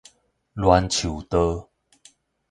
欒樹道